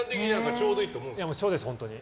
ちょうどいいです、本当に。